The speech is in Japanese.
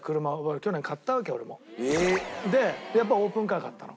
えっ？でやっぱオープンカー買ったの。